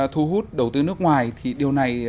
thu hút đầu tư nước ngoài thì điều này